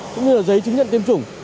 cũng như là giấy chứng nhận tiêm chủng